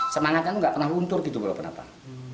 semangatnya itu nggak pernah untur gitu bapak bapak